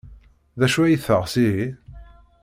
D acu ay teɣs ihi?